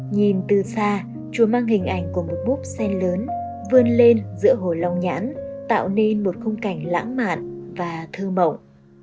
nhìn từ xa chùa mang hình ảnh của một búp sen lớn vươn lên giữa hồi lòng nhãn tạo nên một không cảnh lãng mạn và thư mộng